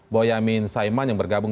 boyamin saiman yang bergabung